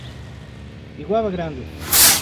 Iguaba Grande